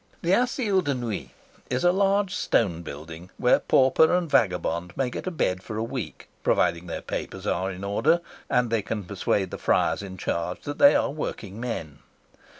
The Asile de Nuit is a large stone building where pauper and vagabond may get a bed for a week, provided their papers are in order and they can persuade the friars in charge that they are workingmen.